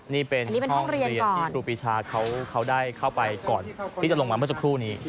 นี่เป็นห้องเรียนที่ครูปีชาเขาได้เข้าไปก่อนที่จะลงมาเมื่อสักครู่นี้